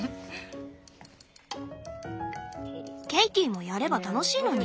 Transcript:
ケイティもやれば楽しいのに。